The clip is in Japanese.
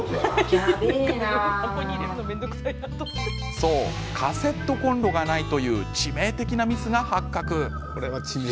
そう、カセットコンロがないという致命的なミスが発覚。